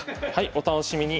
お楽しみに！